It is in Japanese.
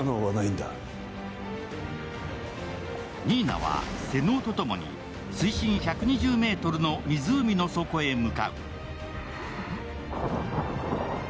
新名は瀬能と共に水深１２０ｍの湖の底へ向かう。